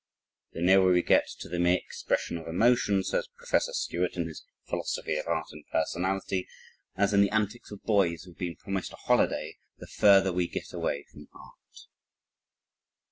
"The nearer we get to the mere expression of emotion," says Professor Sturt in his "Philosophy of Art and Personality," "as in the antics of boys who have been promised a holiday, the further we get away from art."